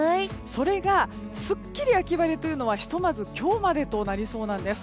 それがスッキリ秋晴れというのはひとまず今日までとなりそうなんです。